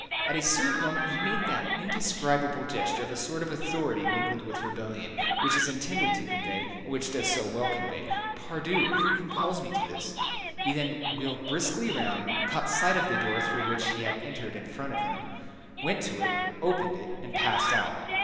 At a certain moment he made that indescribable gesture of a sort of authority mingled with rebellion, which is intended to convey, and which does so well convey, "Pardieu! who compels me to this?" Then he wheeled briskly round, caught sight of the door through which he had entered in front of him, went to it, opened it, and passed out.